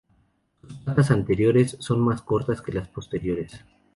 Sus patas anteriores son más cortas que las posteriores.